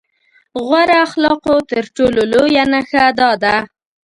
غوره اخلاقو تر ټولو لويه نښه دا ده.